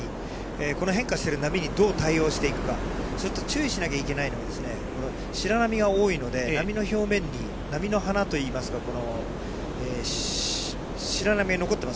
この変化している波にどう対応していくか、それと注意しなきゃいけないのは、白波が多いので、波の表面に、波の花といいますか、この白波が残ってます